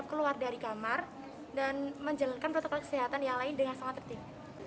keluar dari kamar dan menjalankan protokol kesehatan yang lain dengan sangat tertib